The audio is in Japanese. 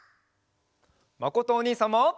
まことおにいさんも。